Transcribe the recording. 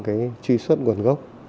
cái truy xuất nguồn gốc